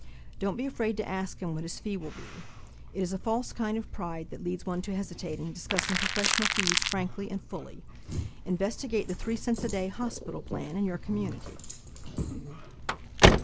Don't be afraid to ask him what his fee will be. It is a false kind of pride that leads one to hesitate in discussing professional fees frankly and fully. Investigate the three cents a day hospital plan in your community.